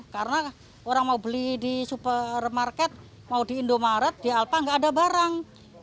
karena orang mau beli di supermarket mau di indomaret di alfa gak ada barang